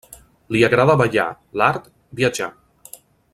Li agrada ballar, l'art, viatjar.